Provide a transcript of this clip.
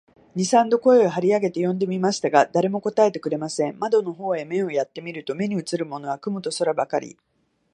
二三度声を張り上げて呼んでみましたが、誰も答えてくれません。窓の方へ目をやって見ると、目にうつるものは雲と空ばかり、